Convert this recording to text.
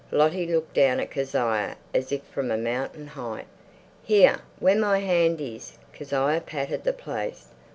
Lottie looked down at Kezia as if from a mountain height. "Here where my hand is." Kezia patted the place.